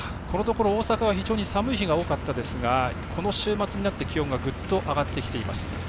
このところ大阪は非常に寒い日が多かったですがこの週末になって気温がぐっと上がってきています。